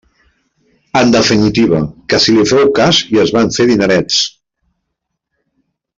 En definitiva, que se li féu cas i es van fer dinerets.